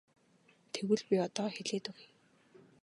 Тэгвэл би одоо хэлээд өгье.